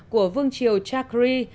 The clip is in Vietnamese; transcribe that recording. của vương triều chakri